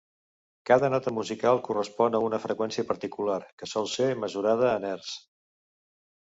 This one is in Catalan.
Cada nota musical correspon a una freqüència particular, que sol ser mesurada en hertz.